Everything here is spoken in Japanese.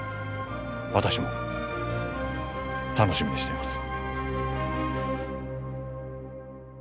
私も楽しみにしています